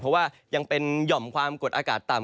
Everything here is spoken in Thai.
เพราะว่ายังเป็นหย่อมความกดอากาศต่ำ